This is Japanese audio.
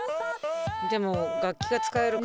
でも楽器が使えるから。